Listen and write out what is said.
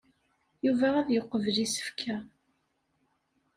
Yuba ad yeqbel isefka.